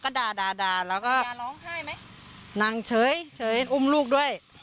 ก็ด่าด่าด่าแล้วก็ด่าร้องไห้ไหมนั่งเฉยเฉยอุ้มลูกด้วย